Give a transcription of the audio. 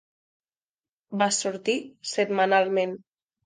Va sortir setmanalment.